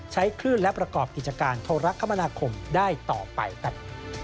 ใช้คลื่นและประกอบกิจการโทรคมนาคมได้ต่อไปครับ